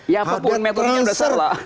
ya apapun metodenya sudah setara